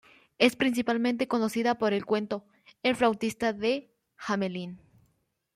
Es principalmente conocida por el cuento "El flautista de Hamelín".